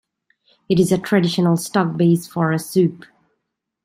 It is a traditional stock base for a soup.